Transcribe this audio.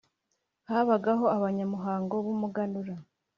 habagaho abanyamuhango b’umuganura,